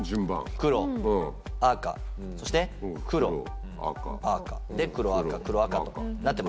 黒赤そして黒赤で黒赤黒赤となってます。